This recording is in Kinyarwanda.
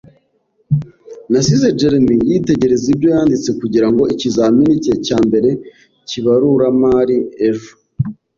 Nasize Jeremy yitegereza ibyo yanditse kugirango ikizamini cye cya mbere kibaruramari ejo.